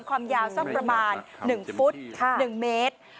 ความยาวสักประมาณ๑ฟุต๑เมตร